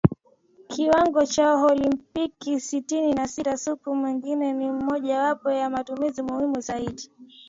kiwango cha Olimpiki Sitini na sita Supu pengine ni mmojawapo ya matumizi muhimu zaidi